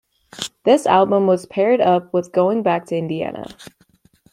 This album was paired up with "Goin' Back to Indiana".